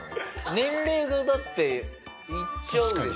年齢がだっていっちゃうでしょ。